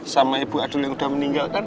sama ibu adul yang udah meninggal